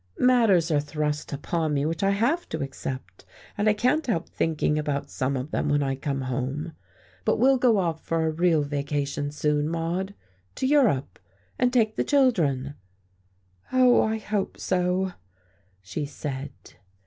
"Matters are thrust upon me which I have to accept, and I can't help thinking about some of them when I come home. But we'll go off for a real vacation soon, Maude, to Europe and take the children." "Oh, I hope so," she said.